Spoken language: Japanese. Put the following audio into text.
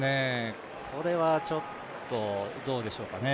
これはちょっと、どうでしょうかね。